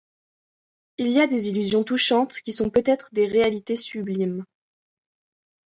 Il y a des illusions touchantes qui sont peut-être des réalités sublimes.